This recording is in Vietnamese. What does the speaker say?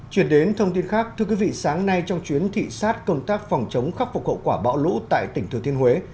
chuyển đến thông tin khác thưa quý vị sáng nay trong chuyến thị sát công tác phòng chống khắc phục hậu quả bão lũ tại tỉnh thừa thiên huế